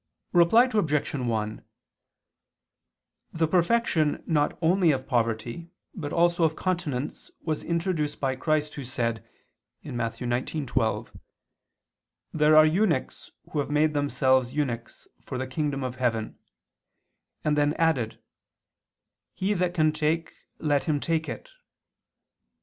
Reply Obj. 1: The perfection not only of poverty but also of continence was introduced by Christ Who said (Matt. 19:12): "There are eunuchs who have made themselves eunuchs, for the kingdom of heaven," and then added: "He that can take, let him take it."